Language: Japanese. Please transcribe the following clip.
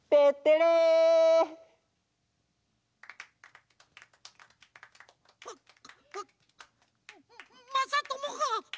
まままさともが。